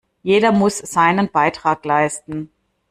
Jeder muss seinen Beitrag leisten.